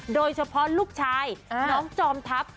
โดยเฉพาะลูกชายน้องจอมทัพ